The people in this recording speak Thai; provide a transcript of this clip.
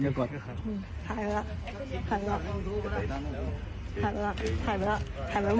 ถ่ายแล้ว